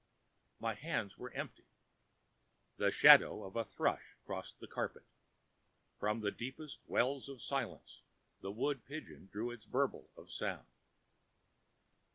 My hands were empty. The shadow of a thrush crossed the carpet; from the deepest wells of silence the wood pigeon drew its bubble of sound.